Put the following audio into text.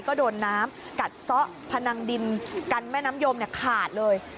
ก็โดนน้ำกัดซะพนังดินกันแม่น้ำยมขาดเลย